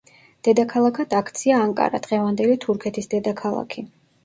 დედაქალაქად აქცია ანკარა, დღევანდელი თურქეთის დედაქალაქი.